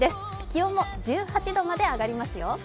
気温も１８度まで上がりますよ。